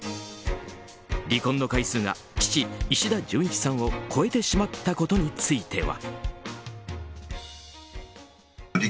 離婚の回数が父・石田純一さんを越えてしまったことについては。